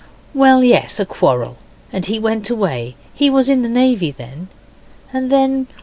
'Well, yes, a quarrel, and he went away. He was in the Navy then. And then...